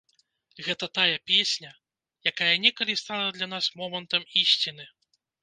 Гэта тая песня, якая некалі стала для нас момантам ісціны.